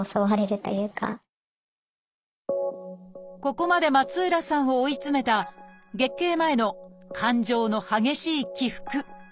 ここまで松浦さんを追い詰めた月経前の感情の激しい起伏。